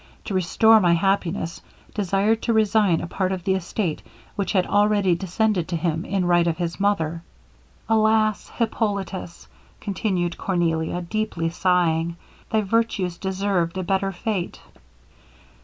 to restore my happiness, desired to resign apart of the estate which had already descended to him in right of his mother. Alas! Hippolitus,' continued Cornelia, deeply sighing, 'thy virtues deserved a better fate.'